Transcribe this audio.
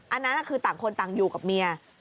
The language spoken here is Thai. อันนั้นคือต่างคนต่างอยู่กับเมีย